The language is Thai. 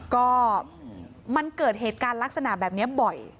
ก็มันเกิดเหตุการณ์ลักษณะแบบนี้บ่อย